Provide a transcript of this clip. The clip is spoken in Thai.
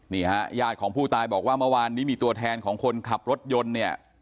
นี่ฮะญาติของผู้ตายบอกว่าเมื่อวานนี้มีตัวแทนของคนขับรถยนต์เนี่ย